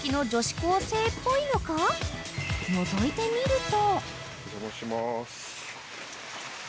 ［のぞいてみると］